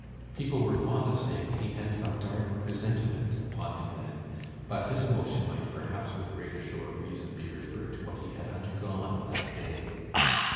People were fond of saying that he had some dark presentiment upon him then, but his emotion might, perhaps, with greater show of reason, be referred to what he had undergone that day.